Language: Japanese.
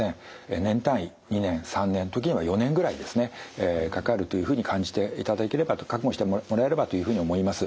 年単位２年３年時には４年ぐらいですねかかるというふうに感じていただければと覚悟してもらえればというふうに思います。